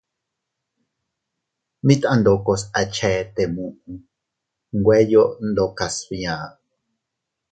Mit andokos a chete muʼu nweyo ndokas bia.